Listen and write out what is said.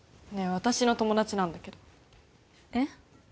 私の友達なんだけどえっ？